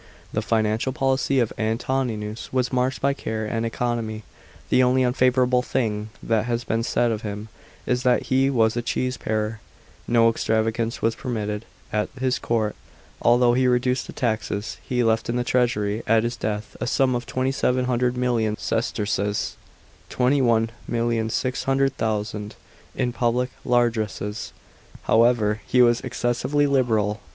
The financial policy of Antoninus was marked by care and economy. The only unfavourable thing that has been said of him is that he was a " cheese parer." * No extravagance was permitted at his court. Although he reduced the taxes, he left in the treasury at his death a sum of 2700 million sesterces (£21,600,000). In public largesses, however, he was excessively liberal.